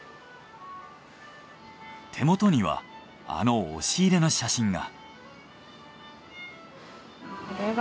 手元にはあの押し入れの写真が。